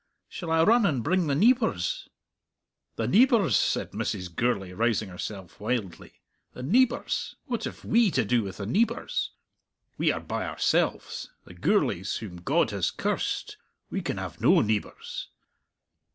Shall I run and bring the neebours?" "The neebours!" said Mrs. Gourlay, rousing herself wildly "the neebours! What have we to do with the neebours? We are by ourselves the Gourlays whom God has cursed; we can have no neebours.